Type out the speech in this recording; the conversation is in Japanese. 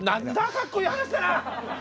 かっこいい話だな。